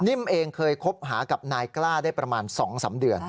เองเคยคบหากับนายกล้าได้ประมาณ๒๓เดือน